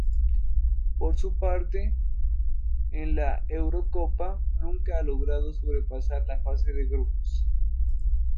Por su parte, en la Eurocopa nunca ha logrado sobrepasar la fase de grupos.